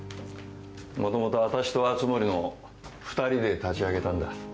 もともとあたしと熱護の２人で立ち上げたんだ。